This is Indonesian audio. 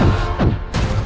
aku akan menang